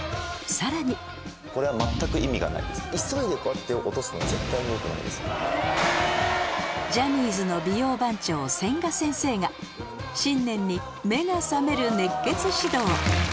さらにジャニーズの美容番長千賀先生が新年に目が覚める熱血指導